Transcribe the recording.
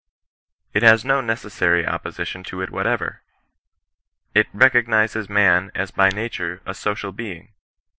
It has no necessary opposition to it whatever. It recognizes man as by nature a social being.